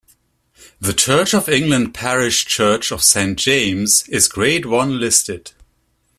The Church of England parish church of Saint James is Grade One listed.